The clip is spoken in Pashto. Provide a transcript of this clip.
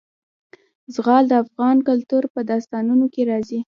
زغال د افغان کلتور په داستانونو کې راځي.